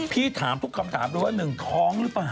พี่ถามทุกคำถามเลยว่าหนึ่งท้องหรือเปล่า